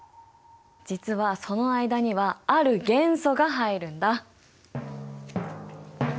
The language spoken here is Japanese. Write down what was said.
実はその間にはある元素が入るんだ。